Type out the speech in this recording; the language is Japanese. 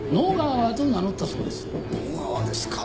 野川ですか。